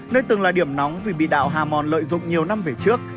nơi từng là điểm nóng vì bị đạo hà mòn lợi dụng nhiều năm về trước